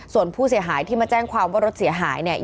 ส่วนผู้เสียหายที่มาแจ้งความว่ารถเสียหายเนี่ย